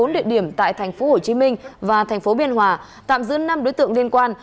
bốn địa điểm tại thành phố hồ chí minh và thành phố biên hòa tạm giữ năm đối tượng liên quan